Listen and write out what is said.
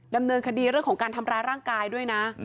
ดำเนินคดีเรื่องของการทำร้ายร่างกายด้วยนะ